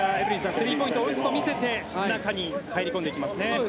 スリーポイントを打つと見せて中に入り込んでいきますね。